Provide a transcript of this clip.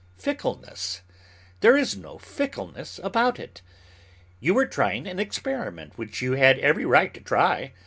Fickleness? There is no fickleness about it. You were trying an experiment which you had every right to try.